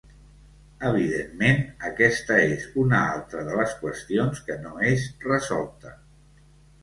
Evidentment aquesta és una altra de les qüestions que no és resolta.